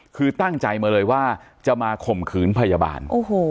คือตั้งใจมาเลยว่าจะมาข่มขืนพยาบาล